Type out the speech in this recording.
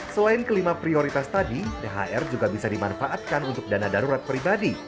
selain kelima prioritas tadi thr juga bisa dimanfaatkan untuk dana darurat pribadi